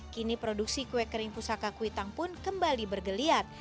kini produksi kue kering pusaka kuitang pun kembali bergeliat